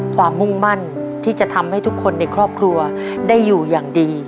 มุ่งมั่นที่จะทำให้ทุกคนในครอบครัวได้อยู่อย่างดี